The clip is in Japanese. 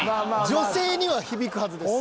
女性には響くはずです。